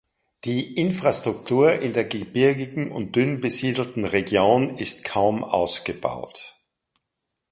Die Infrastruktur in der gebirgigen und dünn besiedelten Region ist kaum ausgebaut.